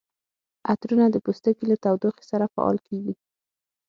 عطرونه د پوستکي له تودوخې سره فعال کیږي.